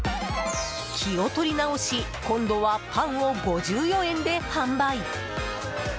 気を取り直し今度はパンを５４円で販売。